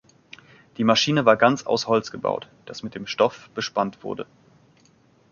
Die Maschine war ganz aus Holz gebaut, das mit Stoff bespannt wurde.